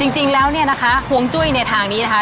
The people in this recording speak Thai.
จริงแล้วนะคะฮวงจุ้ยในทางนี้นะคะ